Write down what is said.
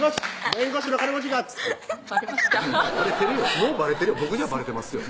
僕にはばれてますよ